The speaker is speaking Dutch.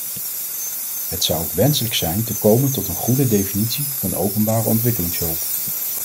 Het zou ook wenselijk zijn te komen tot een goede definitie van openbare ontwikkelingshulp.